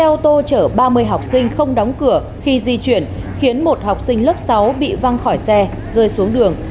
xe ô tô chở ba mươi học sinh không đóng cửa khi di chuyển khiến một học sinh lớp sáu bị văng khỏi xe rơi xuống đường